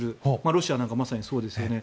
ロシアなんかまさにそうですよね。